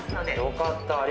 よかった。